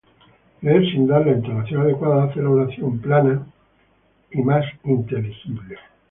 leer sin dar la entonación adecuada hace la oración plana y menos inteligible